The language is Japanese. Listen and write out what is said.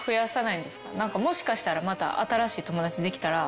もしかしたらまた新しい友達できたら。